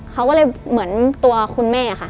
เขาก็เลยเหมือนตัวคุณแม่ค่ะ